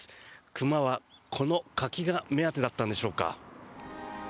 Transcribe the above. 熊はこの柿が目当てだったんでしょうか。